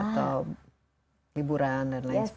hiburan dan lain sebagainya